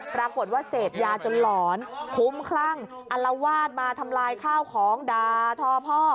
ปรากฏว่าเสพยาจนหลอนคุ้มคลั่งอลวาดมาทำลายข้าวของด่าทอพ่อ